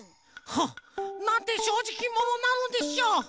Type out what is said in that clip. はっ！なんてしょうじきものなのでしょう！